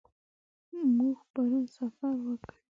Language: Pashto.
موږ پرون سفر وکړ.